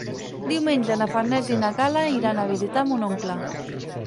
Diumenge na Farners i na Gal·la iran a visitar mon oncle.